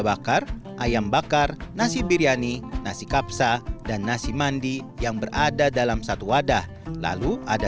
bakar ayam bakar nasi biryani nasi kapsa dan nasi mandi yang berada dalam satu wadah lalu ada